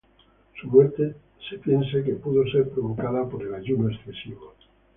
Su muerte se piensa que pudo ser provocada por el ayuno excesivo.